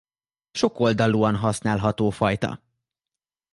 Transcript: Sokoldalúan használható fajta.